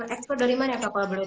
ekspor dari mana pak